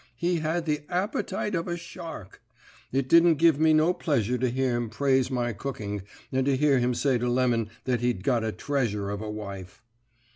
He had the appetite of a shark. It didn't give me no pleasure to hear him praise my cooking and to hear him say to Lemon that he'd got a treasure of a wife.